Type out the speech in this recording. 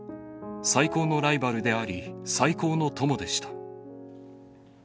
最高のライバルであり、最高の友でした。